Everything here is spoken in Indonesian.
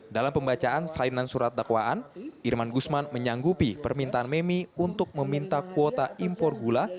dalam pembacaan salinan surat dakwaan irman gusman menyanggupi permintaan memi untuk meminta kuota impor gula